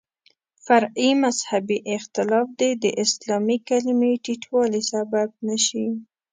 فرعي مذهبي اختلاف دې د اسلامي کلمې ټیټوالي سبب نه شي.